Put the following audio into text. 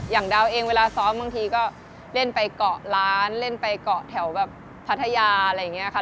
อย่างดาวเองเวลาซ้อมบางทีก็เล่นไปเกาะร้านเล่นไปเกาะแถวแบบพัทยาอะไรอย่างนี้ค่ะ